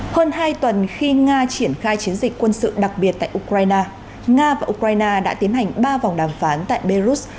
hơn hai tuần khi nga triển khai chiến dịch quân sự đặc biệt tại ukraine nga và ukraine đã tiến hành ba vòng đàm phán tại belarus